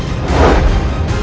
aku mau kesana